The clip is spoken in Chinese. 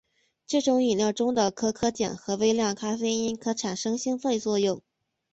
这种饮料中的可可碱和微量咖啡因可产生兴奋作用。